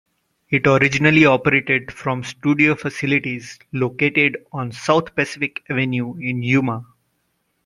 It originally operated from studio facilities located on South Pacific Avenue in Yuma.